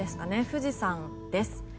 富士山です。